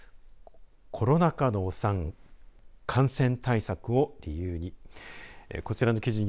コロナ禍のお産感染対策を理由に。